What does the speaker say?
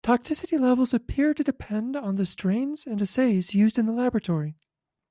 Toxicity levels appear to depend on the strains and assays used in the laboratory.